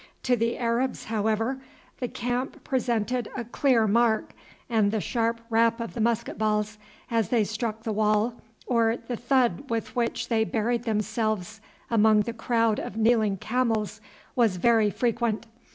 To the Arabs, however, the camp presented a clear mark, and the sharp rap of the musketballs as they struck the wall, or the thud with which they buried themselves among the crowd of kneeling camels, was very frequent.